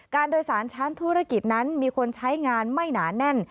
โดยสารชั้นธุรกิจนั้นมีคนใช้งานไม่หนาแน่น